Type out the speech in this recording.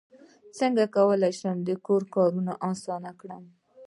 څنګه کولی شم د کور کارونه اسانه کړم